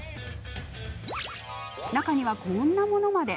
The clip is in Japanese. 中には、こんなものまで。